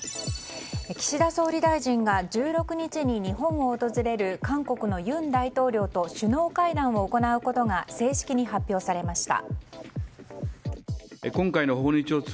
岸田総理大臣が１６日に日本を訪れる韓国の尹大統領と首脳会談を行うことが正式に発表されました。